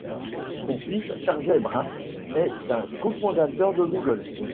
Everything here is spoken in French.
Son fils Sergey Brin est un co-fondateur de Google.